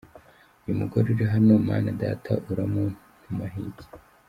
Uyu mugore uri hano Mana Data uramuntumaho iki?.